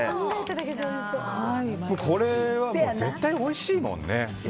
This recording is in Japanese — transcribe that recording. これは絶対おいしいもんね。